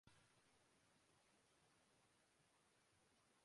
آطف اسلم غصے میں